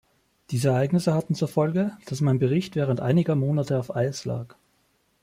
Diese Ereignisse hatten zur Folge, dass mein Bericht während einiger Monate auf Eis lag.